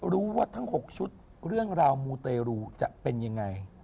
รู้ว่าทั้ง๖ชุดเรื่องราวมูเตรูจะเป็นยังไง